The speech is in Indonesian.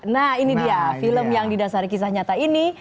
nah ini dia film yang didasari kisah nyata ini